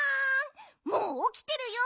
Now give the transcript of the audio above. もうおきてるよ